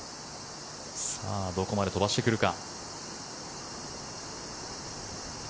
どこまで飛ばしてくるか。